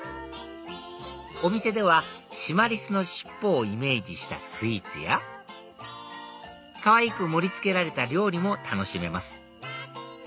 お店ではシマリスの尻尾をイメージしたスイーツやかわいく盛り付けられた料理も楽しめます